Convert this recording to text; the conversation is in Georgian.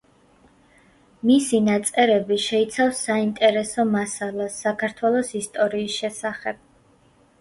მისი ნაწერები შეიცავს საინტერესო მასალას საქართველოს ისტორიის შესახებ.